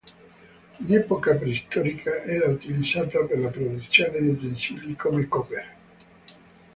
In epoca preistorica era utilizzata per la produzione di utensili come chopper.